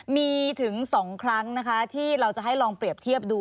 มีถึง๒ครั้งนะคะที่เราจะให้ลองเปรียบเทียบดู